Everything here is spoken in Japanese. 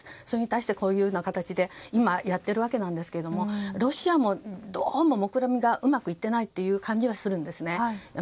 それに対して、こういう形でいまやっているわけなんですけどロシアもどうも目論見がうまくいっていないという感じがするんですね。